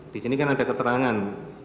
disini kan ada keterangan